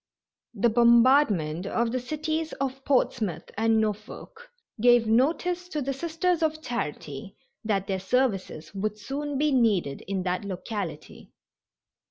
The bombardment of the cities of Portsmouth and Norfolk gave notice to the Sisters of Charity that their services would soon be needed in that locality.